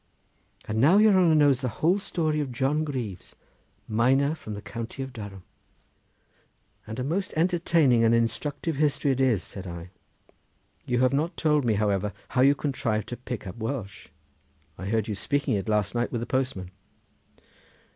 And now your honour knows the whole story of John Greaves, miner from the county of Durham." "And a most entertaining and instructive history it is," said I. "You have not told me, however, how you contrived to pick up Welsh: I heard you speaking it last night with the postman."